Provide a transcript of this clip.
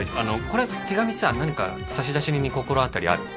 これ手紙さ何か差出人に心当たりある？